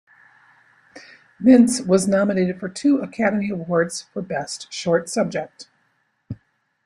Mintz was nominated for two Academy Awards for Best Short Subject.